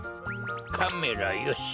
カメラよし。